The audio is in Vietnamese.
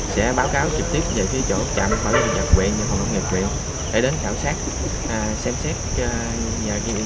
sẽ báo cáo trực tiếp về phía chỗ chạm và lưu dật quyền trong phòng công nghiệp viện